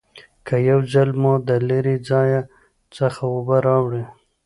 که یو ځل مو د لرې ځای څخه اوبه راوړي